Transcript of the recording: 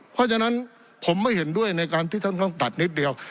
เพราะฉะนั้นผมไม่เห็นด้วยในการที่ท่านต้องตัดนิดเดียว